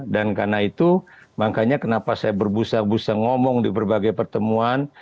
dan karena itu makanya kenapa saya berbusa busa ngomong di berbagai pertemuan